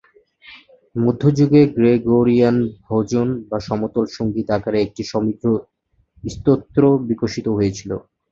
মধ্যযুগে গ্রেগরিয়ান ভজন বা সমতল সংগীত আকারে একটি সমৃদ্ধ স্তোত্র বিকশিত হয়েছিল।